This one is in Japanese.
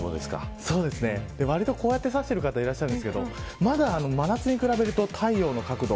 わりとこうやって差してる方いらっしゃるんですけどまだ真夏に比べると太陽の角度